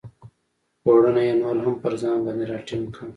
پوړنی یې نور هم پر ځان باندې را ټینګ کړ.